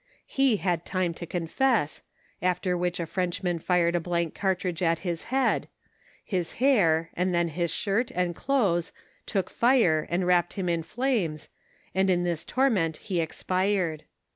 He had time to confess, after which a French man fired a blank cartridge at his head ; his hair, and then his shirt, and clothes, took fire and wrapped him in flames, and in this torment he expired.